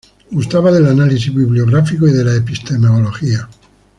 Gustaba del análisis bibliográfico y de la epistemología.